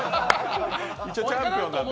一応、チャンピオンなんで。